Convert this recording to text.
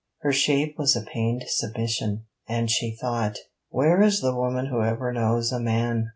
Her shape was a pained submission; and she thought: Where is the woman who ever knows a man!